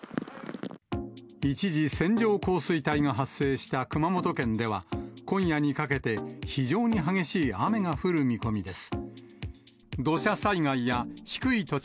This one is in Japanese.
一時、線状降水帯が発生した熊本県では、今夜にかけて非常に激しい雨が降る見込みです。